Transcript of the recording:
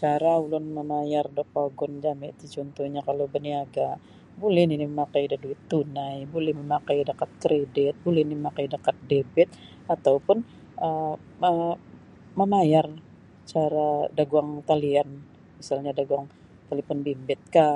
Cara ulun mamayar da pogun jami ti cuntuhnya kalau beniaga buli nini mamakai da duit tunai buli mamakai da kad kridit buli ni mamakai da kad dibit ataupun um ma mamayar cara da guang talian misalnya da guang talipon bimbit ka.